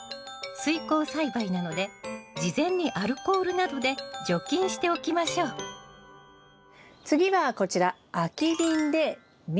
水耕栽培なので事前にアルコールなどで除菌しておきましょう次はこちら空き瓶でミントを育てます。